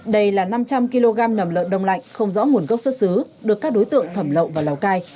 đây là năm trăm linh kg nầm lợn đông lạnh không rõ nguồn gốc xuất xứ được các đối tượng thẩm lậu vào lào cai